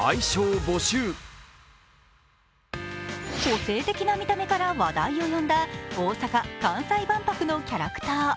個性的な見た目から話題を呼んだ大阪・関西万博のキャラクター。